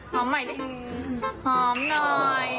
หอมใหม่ดิ